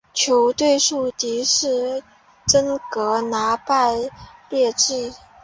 球队的宿敌是真格拿拜列治。